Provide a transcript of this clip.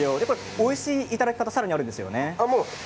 おいしいいただき方があるんですよね。